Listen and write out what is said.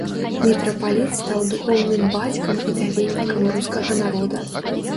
Мітрапаліт стаў духоўным бацькам і даведнікам рускага народа.